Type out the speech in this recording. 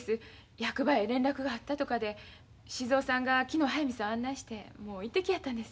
役場へ連絡があったとかで静尾さんが昨日速水さんを案内してもう行ってきやったんです。